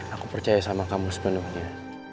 aku percaya sama kamu sebenarnya